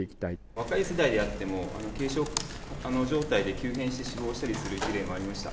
若い世代であっても、軽症状態で急変して死亡した事例もありました。